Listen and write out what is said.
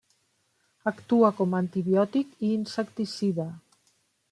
Actua com antibiòtic i insecticida.